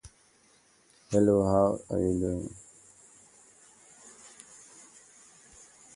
He was the son of Solomon Sebag and his wife Sarah Montefiore.